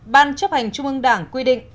ban chấp hành trung ương đảng quy định